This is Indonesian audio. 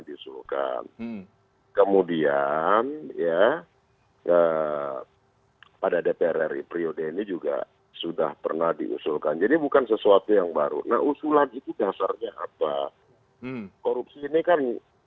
tapi justifikasinya dasarnya apa kemudian